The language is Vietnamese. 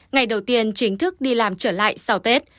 ngày đầu tiên chính thức đi làm trở lại sau tết